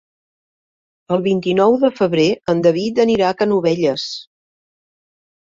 El vint-i-nou de febrer en David anirà a Canovelles.